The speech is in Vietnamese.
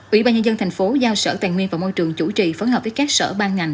ủy ban nhân dân tp hcm giao sở tàn nguyên và môi trường chủ trì phấn hợp với các sở ban ngành